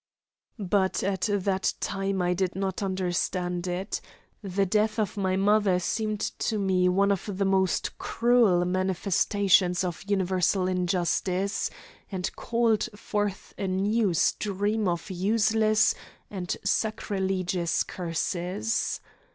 But at that time I did not understand it; the death of my mother seemed to me one of the most cruel manifestations of universal injustice, and called forth a new stream of useless and sacrilegious curses.